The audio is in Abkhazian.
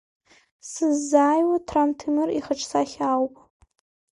Сыззааиуа, Ҭрам Ҭемыр ихаҿсахьа ауп.